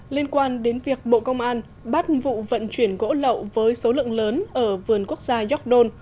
liên quan đến việc bộ công an bắt vụ vận chuyển gỗ lậu với số lượng lớn ở vườn quốc gia york don